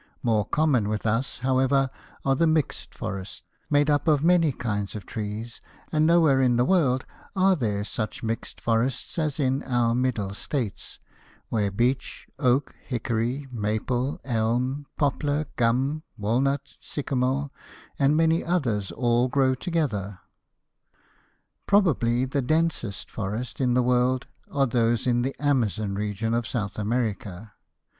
More common with us, however, are the "mixed forests," made up of many kinds of trees, and nowhere in the world are there such mixed forests as in our Middle States, where beech, oak, hickory, maple, elm, poplar, gum, walnut, sycamore, and many others all grow together. Probably the densest forests in the world are those in the Amazon region of South America.